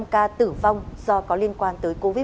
một trăm hai mươi năm ca tử vong do có liên lạc